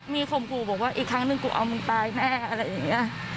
มีข่มขู่บอกว่าอีกครั้งหนึ่งกูเอามึงตายแน่อะไรอย่างนี้